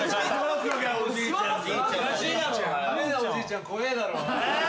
派手なおじいちゃん怖えだろ。